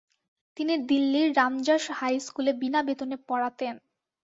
তিনি দিল্লির রামজাস হাই স্কুলে বিনা বেতনে পড়াতেন।